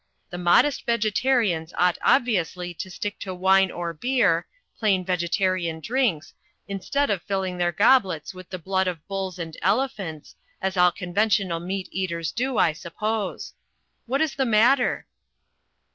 The modest vegetarians ought obviously to stick to wine or beer, plain vegetarian drinks, in stead of filling their goblets with the blood of bulls and elephants, as all conventional meat eaters do, I suppose. What is the matter?"